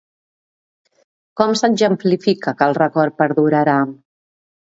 Com s'exemplifica que el record perdurarà?